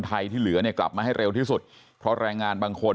ที่เหลือเนี่ยกลับมาให้เร็วที่สุดเพราะแรงงานบางคน